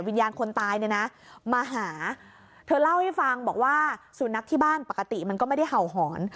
คนตายเนี่ยนะมาหาเธอเล่าให้ฟังบอกว่าสุนัขที่บ้านปกติมันก็ไม่ได้เห่าหอน